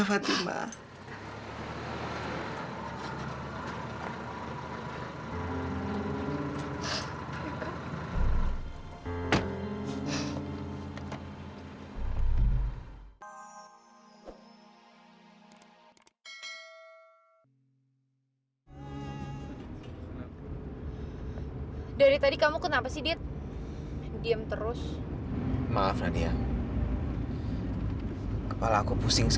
sampai jumpa di video selanjutnya